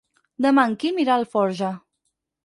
Demà en Quim irà a Alforja.